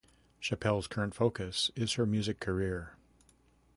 Chappell's current focus is her music career.